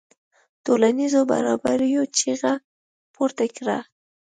د ټولنیزو برابریو چیغه پورته کړه.